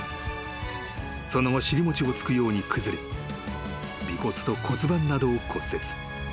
［その後尻もちをつくように崩れ尾骨と骨盤などを骨折］